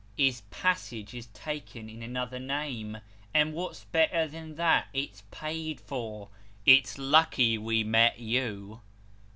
His passage is taken in another name, and what's better than that, it's paid for. It's lucky we mot you."